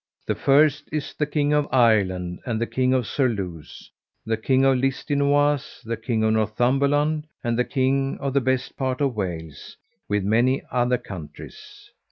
The first is the King of Ireland, and the King of Surluse, the King of Listinoise, the King of Northumberland, and the King of the best part of Wales, with many other countries.